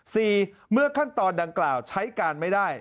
เมื่อขั้นตอนดังกล่าวใช้การไม่ได้